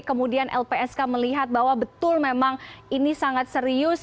kemudian lpsk melihat bahwa betul memang ini sangat serius